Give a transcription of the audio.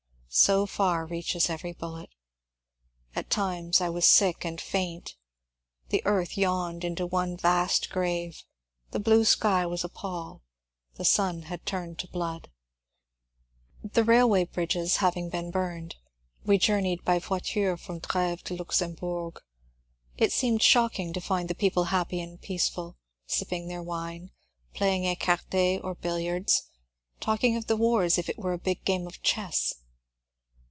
So far reaches every bullet! At times I was sick and faint. The earth yawned into one vast grave, the blue sky was a pall, the sun had turned to blood. The railway bridges having been burned, we journeyed by voiture from Treves to Luxembourg. It seemed shocking to find the people happy and peaceful ; sipping their wine, play ing ^cart^ or billiards, talking of the war as if it were a big game of chess.